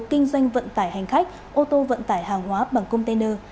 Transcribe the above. kinh doanh vận tải hành khách ô tô vận tải hàng hóa bằng container